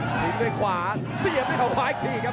คลิงด้วยฝ่าเสียบขวาอีกทีครับ